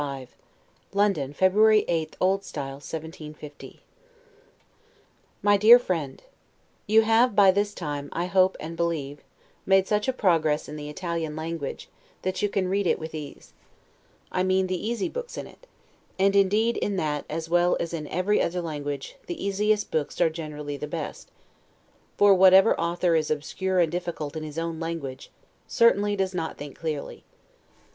LETTER CV LONDON, February 8, O. S. 1750 MY DEAR FRIEND: You have, by this time, I hope and believe, made such a progress in the Italian language, that you can read it with ease; I mean, the easy books in it; and indeed, in that, as well as in every other language, the easiest books are generally the best; for, whatever author is obscure and difficult in his own language, certainly does not think clearly.